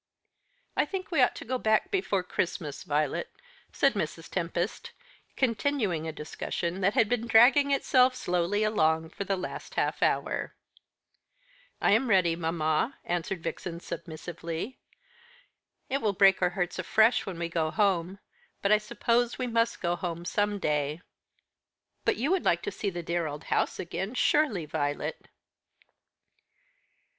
"I think we ought to go back before Christmas, Violet," said Mrs. Tempest, continuing a discussion that had been dragging itself slowly along for the last half hour. "I am ready, mamma," answered Vixen submissively. "It will break our hearts afresh when we go home, but I suppose we must go home some day." "But you would like to see the dear old house again, surely, Violet?"